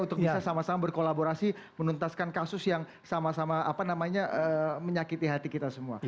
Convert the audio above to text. untuk bisa sama sama berkolaborasi menuntaskan kasus yang sama sama menyakiti hati kita semua